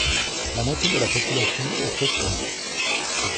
La moitié de la population est chrétienne.